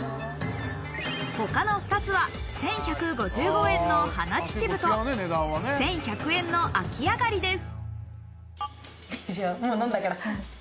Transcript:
他の２つは１１５５円の花ちちぶと１１００円の秋あがりです。